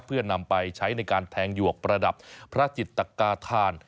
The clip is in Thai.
เพื่อนำไปใช้ในการแทงหยวกประดับพระจิตกาธาน